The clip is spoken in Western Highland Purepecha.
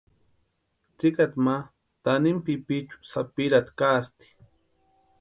Tsikata ma tanimuni pipichu sapirhati kaasti.